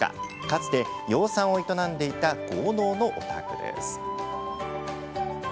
かつて、養蚕を営んでいた豪農のお宅です。